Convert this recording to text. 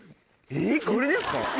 えっこれですか？